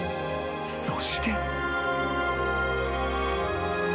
［そして］